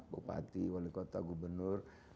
bupati wali kota gubernur